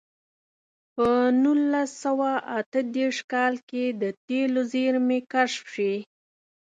په نولس سوه اته دېرش کال کې د تېلو زېرمې کشف شوې.